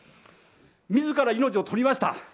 みずから命を取りました。